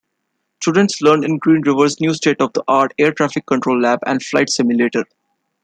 Students learn in Green River's new state-of-the-art air traffic control lab and flight simulator.